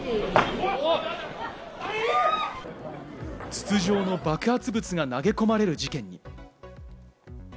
筒状の爆発物が投げ込まれる事件に。